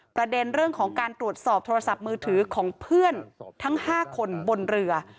ประเด็นเรื่องของการตรวจสอบโทรศัพท์มือถือของเพื่อนทั้ง๕คนบนเรือ